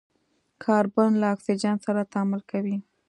کاربن له اکسیجن سره تعامل کوي.